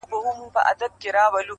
o ته تر اوسه لا د فیل غوږ کي بیده یې,